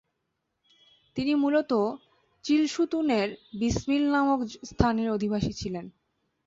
তিনি মূলত চিলসুতুনের বিসমিল নামক স্থানের অধিবাসী ছিলেন।